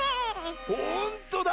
ほんとだ！